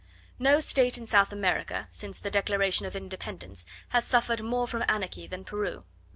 No state in South America, since the declaration of independence, has suffered more from anarchy than Peru.